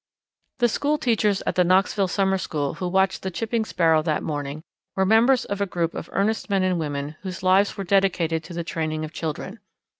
The school teachers at the Knoxville Summer School who watched the Chipping Sparrow that morning were members of a group of earnest men and women whose lives were dedicated to the training of children.